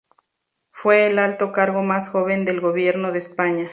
Fue el alto cargo más joven del Gobierno de España.